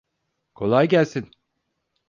Kolay gelsin.